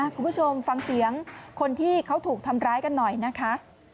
คุณผู้ชมฟังเสียงคนที่เขาถูกทำร้ายกันหน่อยนะคะ